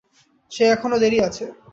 সে এখনো দেরি আছে।